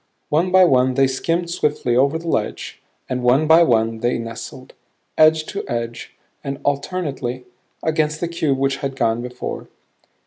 One by one they skimmed swiftly over the ledge; and one by one they nestled, edge to edge and alternately, against the cube which had gone before.